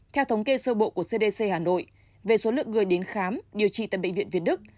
theo thống kê sơ bộ của cdc hà nội về số lượng người đến khám điều trị tại bệnh viện việt đức